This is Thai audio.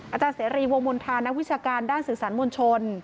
อาจารย์เสรีวงมณฑานักวิชาการด้านสื่อสารมวลชน